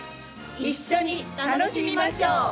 一緒に楽しみましょう！